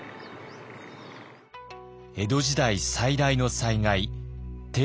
江戸時代最大の災害